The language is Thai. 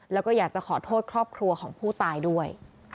แล้วก็อยากจะขอโทษครอบครัวของผู้ตายด้วย